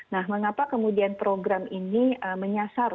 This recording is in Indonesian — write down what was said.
nah mengapa kemudian program ini menyasar